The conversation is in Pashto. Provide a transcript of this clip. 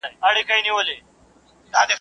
هنرمندان د ټولنې احساسات بیانوي